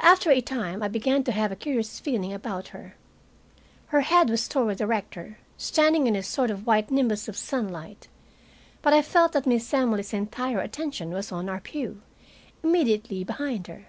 After a time I began to have a curious feeling about her. Her head was toward the rector, standing in a sort of white nimbus of sunlight, but I felt that Miss Emily's entire attention was on our pew, immediately behind her.